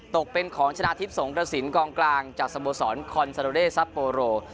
ตกเป็นของชนะทิพย์สงกระสินกองกลางจากสโมสรคอนซาโดเดซับโปโร